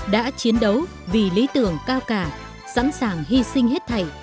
đã chiến đấu vì lý tưởng cao cả sẵn sàng hy sinh hết thảy